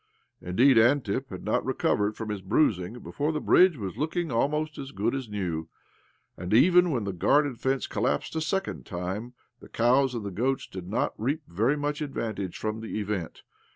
Indeed, Antip had not recovered from his bruising before the bridge was looking almost as good as new ! And even when the garden fence collapsed a second time the cows and the goats did not reap very much advantage from the event.